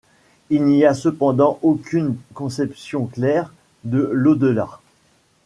Il n'y a cependant aucune conception claire de l'au-delà.